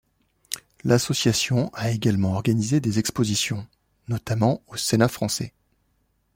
L’association a également organisé des expositions, notamment au Sénat français.